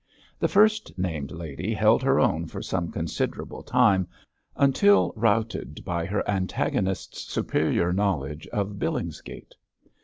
The first named lady held her own for some considerable time, until routed by her antagonist's superior knowledge of Billingsgate.